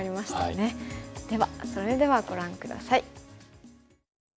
それではご覧下さい。